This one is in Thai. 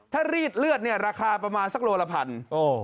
ถ้ารีดเลือดเนี่ยราคาประมาณสักโลละพัน